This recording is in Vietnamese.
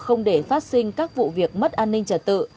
không để phát sinh các vụ việc mất an ninh trật tự